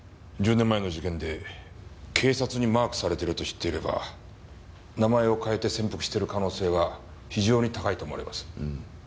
１０年前の事件で警察にマークされてると知っていれば名前を変えて潜伏してる可能性は非常に高いと思われます。